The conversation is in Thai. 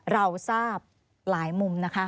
เราทราบหลายมุมนะคะ